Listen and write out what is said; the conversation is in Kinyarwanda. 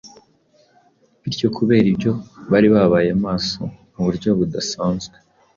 bityo kubera ibyo bari babaye maso mu buryo budasanzwe.